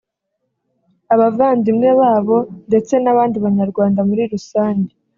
abavandimwe babo ndetse n’abandi Banyarwanda muri rusange